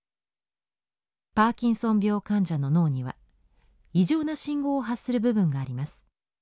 パーキンソン病患者の脳には異常な信号を発する部分があります。